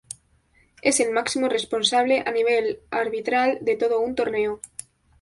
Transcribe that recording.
Es el máximo responsable a nivel arbitral de todo un torneo.